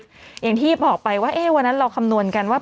อย่างที่บอกไปว่าวันนั้นเราคำนวณกันว่า